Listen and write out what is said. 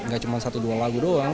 gak cuma satu dua lagu doang